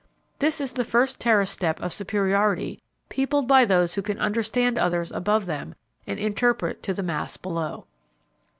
This is the first terrace step of superiority peopled by those who can understand others above them and interpret to the mass below.